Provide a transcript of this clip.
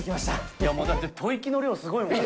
いや、もうだって、吐息の量、すごいもんね。